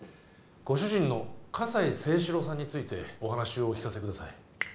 ご主人の葛西征四郎さんについてお話をお聞かせください